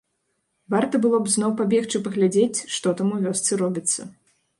Варта было б зноў пабегчы паглядзець, што там у вёсцы робіцца.